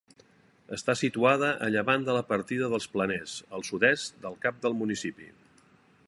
Està situada a llevant de la partida dels Planers, al sud-est del cap del municipi.